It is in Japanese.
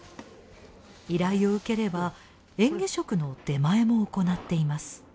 依頼を受ければ嚥下食の出前も行っています。